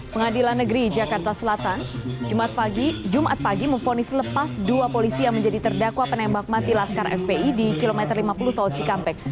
pengadilan negeri jakarta selatan jumat pagi memfonis lepas dua polisi yang menjadi terdakwa penembak mati laskar fpi di kilometer lima puluh tol cikampek